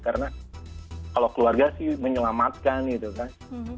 karena kalau keluarga sih menyelamatkan gitu kan